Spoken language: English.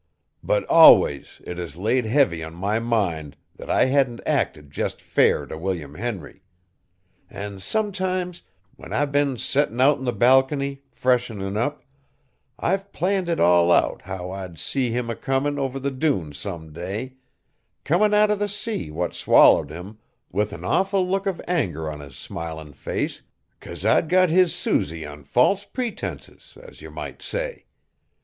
But always it has laid heavy on my mind that I hadn't acted jest fair t' William Henry. An' sometimes, when I've been settin' out on the balcony, freshenin' up, I've planned it all out how I'd see him a comin' over the dunes some day, comin' out o' the sea what swallowed him, with an awful look of anger on his smilin' face, 'cause I'd got his Susy on false pretences, as ye might say.